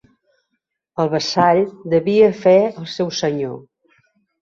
El vassall devia fe al seu senyor.